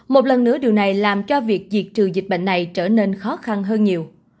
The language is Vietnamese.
một lần nữa điều này làm cho việc diệt trừ dịch bệnh này trở nên khó khăn hơn nhiều